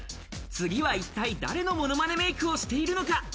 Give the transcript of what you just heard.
次は一体、誰のものまねメイクをしているのか？